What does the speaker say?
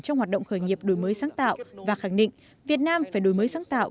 trong hoạt động khởi nghiệp đổi mới sáng tạo và khẳng định việt nam phải đổi mới sáng tạo